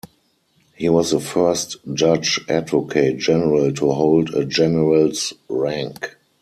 He was the first Judge Advocate General to hold a general's rank.